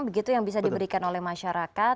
begitu yang bisa diberikan oleh masyarakat